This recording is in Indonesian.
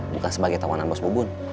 bukan sebagai tawanan bos mubun